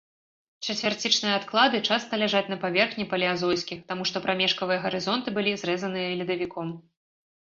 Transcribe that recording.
Чацвярцічныя адклады часта ляжаць на паверхні палеазойскіх, таму што прамежкавыя гарызонты былі зрэзаныя ледавіком.